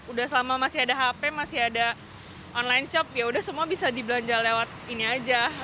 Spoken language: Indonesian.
udah selama masih ada hp masih ada online shop ya udah semua bisa dibelanja lewat ini aja